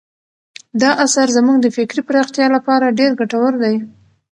دا اثر زموږ د فکري پراختیا لپاره ډېر ګټور دی.